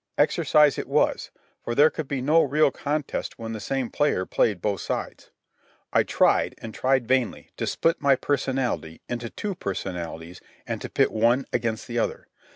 Exercise it was, for there could be no real contest when the same player played both sides. I tried, and tried vainly, to split my personality into two personalities and to pit one against the other.